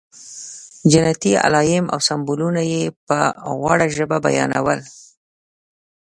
جنتي علایم او سمبولونه یې په غوړه ژبه بیانول.